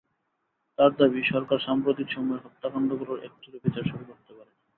তাঁর দাবি, সরকার সাম্প্রতিক সময়ের হত্যাকাণ্ডগুলোর একটিরও বিচার শুরু করতে পারেনি।